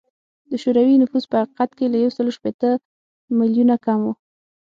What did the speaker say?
د شوروي نفوس په حقیقت کې له یو سل اته شپیته میلیونه کم و